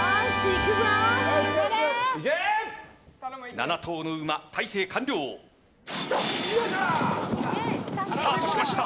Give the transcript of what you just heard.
７頭の馬、体勢完了。スタートしました！